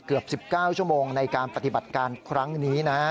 เกือบ๑๙ชั่วโมงในการปฏิบัติการครั้งนี้นะฮะ